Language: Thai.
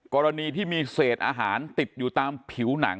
กรณีที่มีเศษอาหารติดอยู่ตามผิวหนัง